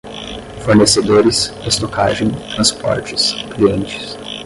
fornecedores, estocagem, transportes, clientes